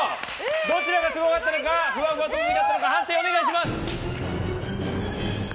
どちらがすごかったのかふわふわ特技だったのか判定をお願いします。